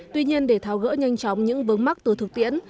tuy nhiên để tháo gỡ nhanh chóng những vướng mắt từ thực tiễn